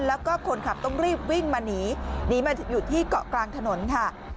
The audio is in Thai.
แล้วก็คนขับต้องรีบวิ่งมาหนีหนีมาอยู่ที่เกาะกลางถนนค่ะ